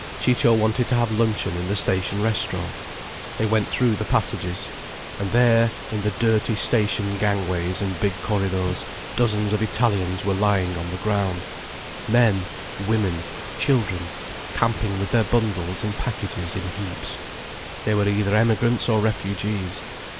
Ciccio wanted to have luncheon in the station restaurant. They went through the passages. And there in the dirty station gang ways and big corridors dozens of Italians were lying on the ground, men, women, children, camping with their bundles and packages in heaps. They were either emigrants or refugees.